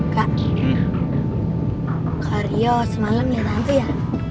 kak ryo semalam liat hantu ya